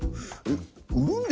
えっ？